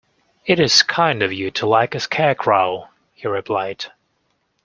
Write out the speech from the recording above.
"It is kind of you to like a Scarecrow," he replied.